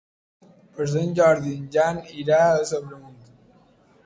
Per Sant Jordi en Jan irà a Sobremunt.